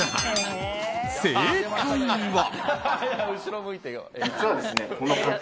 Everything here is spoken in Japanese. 正解は。